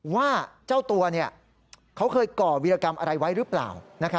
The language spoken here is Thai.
ว่าเจ้าตัวเขาเคยก่อวิรกรรมอะไรไว้หรือเปล่า